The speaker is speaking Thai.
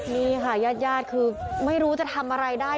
นี่ค่ะญาติคือไม่รู้จะทำอะไรได้